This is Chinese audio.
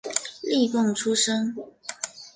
例贡出身。